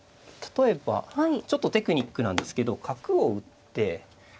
例えばちょっとテクニックなんですけど角を打って。